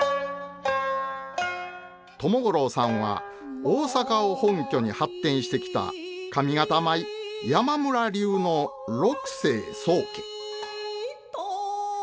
友五郎さんは大阪を本拠に発展してきた上方舞山村流の六世宗家。